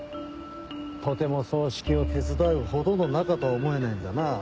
とても葬式を手伝うほどの仲とは思えないんだよな。